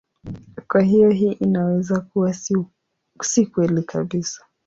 Kwa hiyo hii inaweza kuwa si kweli kabisa.